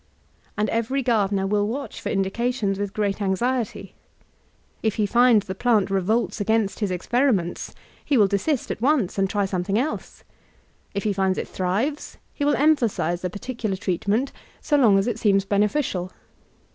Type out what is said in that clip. And every gardener will watch for indica tions with great anxiety. If he finds the plant revolts against his experiments, he will desist at once, and try something else ; if he finds it thrives, he will eiiq>hasize the particular treatment so long as it seems beneficial.